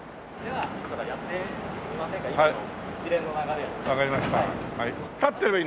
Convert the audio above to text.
はい。